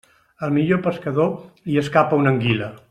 Al millor pescador li escapa una anguila.